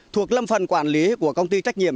thuộc lâm phần quản lý của công ty trách nhiệm